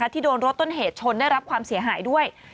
ที่โดนรถต้นเหตุชนได้รับความเสียหายด้วย